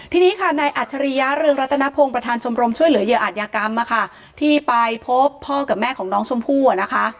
ทีนี้ค่ะนายอัจฉริยะเรืองรัตนพงศ์ประธานชมรมช่วยเหลือเหยื่ออาจยากรรมที่ไปพบพ่อกับแม่ของน้องชมพู่อ่ะนะคะ